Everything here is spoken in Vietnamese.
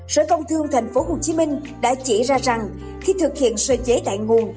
sở công thương tp hcm đã chỉ ra rằng khi thực hiện sơ chế tại nguồn